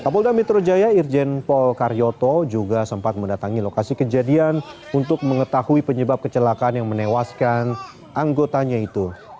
kapolda metro jaya irjen pol karyoto juga sempat mendatangi lokasi kejadian untuk mengetahui penyebab kecelakaan yang menewaskan anggotanya itu